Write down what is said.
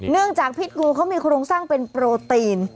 จากพิษงูเขามีโครงสร้างเป็นโปรตีน